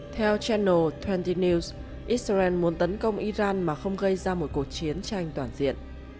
theo channel hai mươi news israel muốn tấn công iran mà không gây ra một cuộc chiến